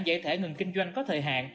giải thể ngừng kinh doanh có thời hạn